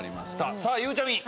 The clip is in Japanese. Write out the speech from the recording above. さあゆうちゃみ。